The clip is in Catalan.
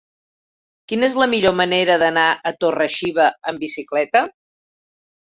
Quina és la millor manera d'anar a Torre-xiva amb bicicleta?